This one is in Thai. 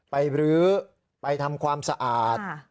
ไปรื้อไปทำความสะอาดอ่ะ